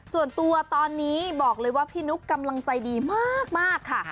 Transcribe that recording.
ส่วนตัวตอนนี้บอกเลยว่าพี่นุ๊กกำลังใจดีมากค่ะ